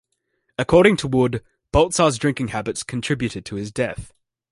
According to Wood, Baltzar's drinking habits contributed to his death.